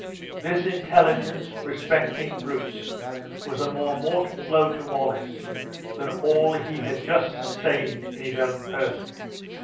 This intelligence respecting Bruce was a more mortal blow to Wallace than all he had just sustained in his own person.